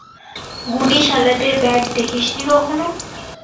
গুডি শালাদের ব্যাগ দেখিসনি কখনো?